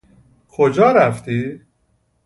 کجا رفتی؟